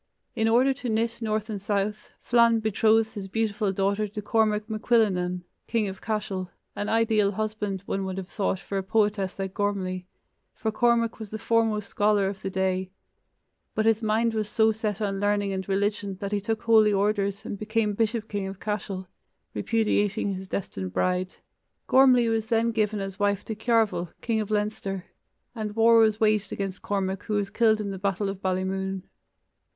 In order to knit north and south, Flann betrothed his beautiful daughter to Cormac macCuillenan, king of Cashel, an ideal husband, one would have thought, for a poetess like Gormlai, for Cormac was the foremost scholar of the day; but his mind was so set on learning and religion that he took holy orders and became bishop king of Cashel, repudiating his destined bride. Gormlai was then given as wife to Cearbhail, king of Leinster, and war was waged against Cormac who was killed in the battle of Ballymoon.